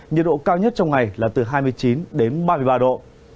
nhiệt độ cao nhất trong ngày là từ hai mươi chín đến ba mươi ba độ